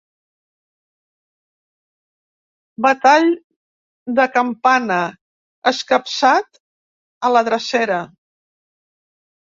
Batall de campana escapçat a la drecera.